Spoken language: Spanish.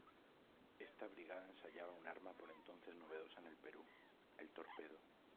Esta brigada ensayaba un arma por entonces novedosa en el Perú: el torpedo.